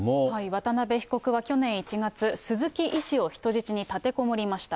渡辺被告は去年１月、鈴木医師を人質に立てこもりました。